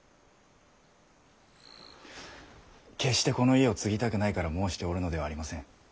決してこの家を継ぎたくないから申しておるのではありません。